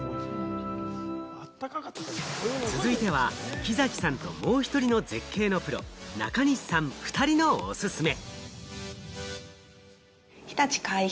続いては、木崎さんともう１人の絶景のプロ・中西さんおふたりのおすすめ。